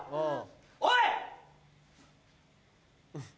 おい！